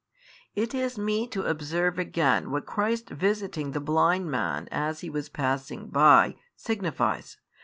It is meet to observe again what Christ's visiting the blind man as He was passing by, signifies.